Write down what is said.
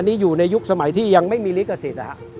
อันนี้อยู่ในยุคสมัยที่ยังไม่มีลิขสิทธิ์